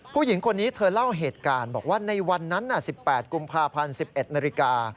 ผู้หญิงคนนี้เธอเล่าเหตุการณ์บอกว่าในวันนั้น๑๘กุมภาพันธ์๑๑นาฬิกา